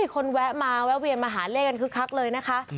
แวะมาแวะเวียนมาหาเลขกันคึกคักเลยนะคะ